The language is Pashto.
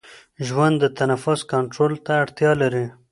ژوند د نفس کنټرول ته اړتیا لري.